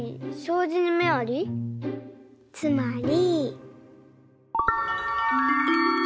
つまり。